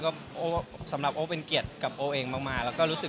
ก็โอ้สำหรับโอ้เป็นเกียรติกับโอเองมากแล้วก็รู้สึก